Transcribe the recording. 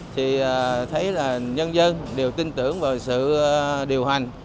thì thấy là nhân dân đều tin tưởng vào sự điều hành